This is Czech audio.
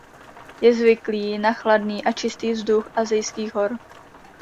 Je zvyklý na chladný a čistý vzduch asijských hor.